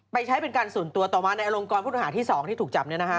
ไปใช้เป็นการส่วนตัวต่อมาในอารมณ์กรพุทธอาหารที่๒ที่ถูกจับ